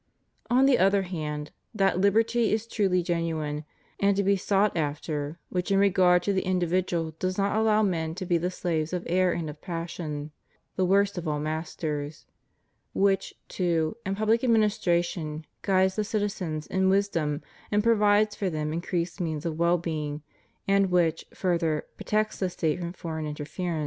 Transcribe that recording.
On the other hand, that liberty is truly genuine, and to be sought after, which in regard to the individual does not allow men to be the slaves of error and of passion, the worst of all masters; which, too, in public administration guides the citizens in wisdom and provides for them increased means of well being; and which, further, protects the State from foreign interference.